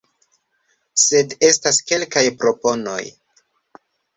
Sed estas kelkaj proponoj;